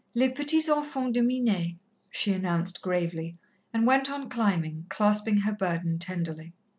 "Les petits enfants de Minet," she announced gravely, and went on climbing, clasping her burden tenderly.